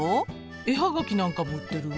絵葉書なんかも売ってるわ。